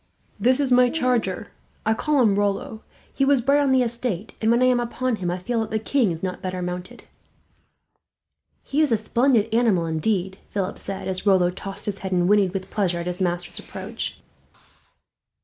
"This is my charger. I call him Rollo. He was bred on the estate and, when I am upon him, I feel that the king is not better mounted." "He is a splendid animal, indeed," Philip said, as Rollo tossed his head, and whinnied with pleasure at his master's approach.